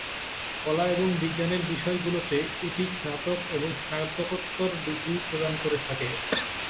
কলা এবং বিজ্ঞানের বিষয়গুলোতে এটি স্নাতক এবং স্নাতকোত্তর ডিগ্রি প্রদান করে থাকে।